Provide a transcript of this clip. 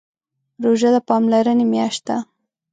روژه د پاملرنې میاشت ده.